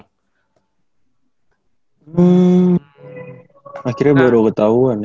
hmm akhirnya baru ketahuan ya